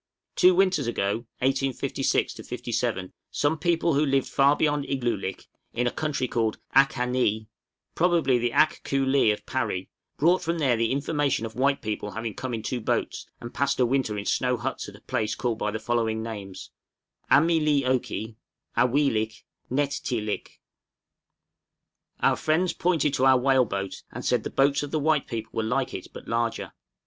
Two winters ago (1856 7) some people who lived far beyond Igloolik, in a country called A ka nee (probably the Ak koo lee of Parry), brought from there the information of white people having come in two boats, and passed a winter in snow huts at a place called by the following names: A mee lee oke, A wee lik, Net tee lik. {INFORMATION OF RAE'S VISIT.} Our friends pointed to our whale boat, and said the boats of the white people were like it, but larger.